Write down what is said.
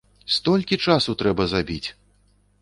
Столькі часу трэба забіць!